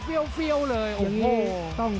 ติดตามยังน้อยกว่า